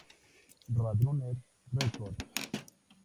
Roadrunner Records.